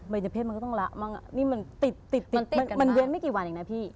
เป็นเจ้าเพศมันก็ต้องรักบ้างนี่มันติดมันเว้นไม่กี่วันอีกนะพี่